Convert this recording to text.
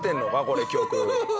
これ曲。